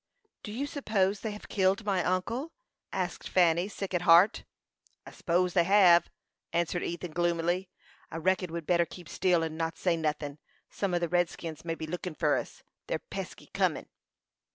"Do you suppose they have killed my uncle?" asked Fanny, sick at heart. "I s'pose they hev," answered Ethan, gloomily. "I reckon we'd better keep still, and not say nothin'. Some o' the redskins may be lookin' for us. They're pesky cunnin'."